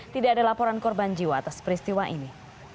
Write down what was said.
tidak ada laporan korban jiwa atas peristiwa ini